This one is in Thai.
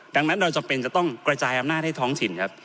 ดังนั้นเราจำเป็นจะต้องกระจายอำนาจให้ท้องถิ่นครับ